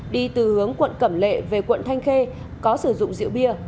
đi từ hướng quận cẩm lệ về quận thanh khê có sử dụng rượu bia